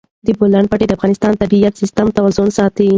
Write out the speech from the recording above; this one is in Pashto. د بولان پټي د افغانستان د طبعي سیسټم توازن ساتي.